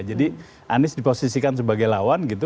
jadi anies diposisikan sebagai lawan gitu